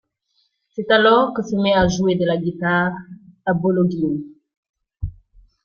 C'est alors qui se met à jouer de la guitare à Bologhine.